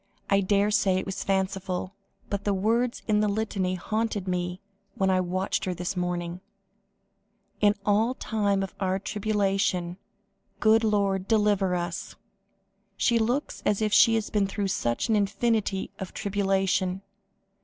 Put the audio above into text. "I daresay it was fanciful, but the words in the Litany haunted me when I watched her this morning: 'In all time of our tribulation Good Lord, deliver us.' She looks as if she had been through such an infinity of tribulation."